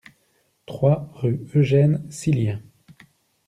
trois rue Eugène Sillien